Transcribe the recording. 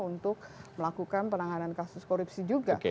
untuk melakukan penanganan kasus korupsi juga